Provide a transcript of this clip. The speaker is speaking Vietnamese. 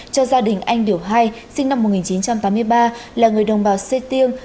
cho gia đình anh điều hai sinh năm một nghìn chín trăm tám mươi ba là người đồng bào xê tiên